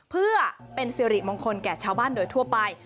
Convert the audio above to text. เพื่อเป็นสิริมงคลแก่ชาวบ้านโดยทั่วไป